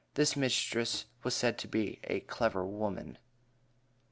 This mistress was said to be a "clever woman."